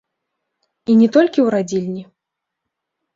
І не толькі ў радзільні.